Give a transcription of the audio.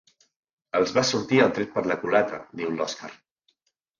Els va sortir el tret per la culata —diu l'Òskar.